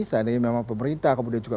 seandainya memang pemerintah kemudian juga